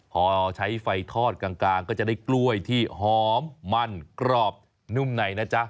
พอใช้ไฟทอดกลางก็จะได้กล้วยที่หอมมันกรอบนุ่มในนะจ๊ะ